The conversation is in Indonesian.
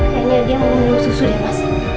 kayaknya dia mau minum susu ya mas